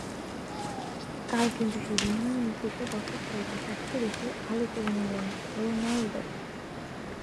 কাল কিন্তু সেই লিওনেল মেসিকে দর্শকসারিতে সাক্ষী রেখেই আলো কেড়ে নিলেন রোনালদো।